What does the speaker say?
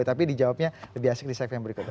tapi dijawabnya lebih asik di sisi yang berikut